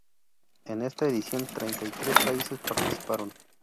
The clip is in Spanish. En esta edición, treinta y tres países participaron.